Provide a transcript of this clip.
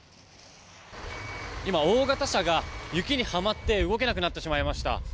今、大型車が雪にはまって動けなくなりました。